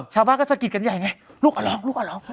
ชาวบ้านก็สกิดกันใหญ่ไงลูกอล๊อค